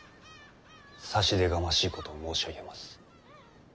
差し出がましいことを申し上げます。